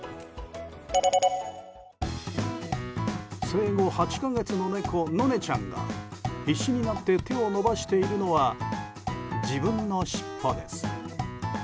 生後８か月の猫、のねちゃんが必死になって手を伸ばしているのは自分のしっぽです。